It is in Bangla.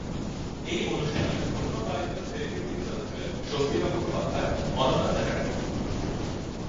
এই অনুষ্ঠানের অন্য কয়েকজন সেলিব্রিটি বিচারক ছিলেন স্বস্তিকা মুখোপাধ্যায়, অনন্যা চ্যাটার্জী।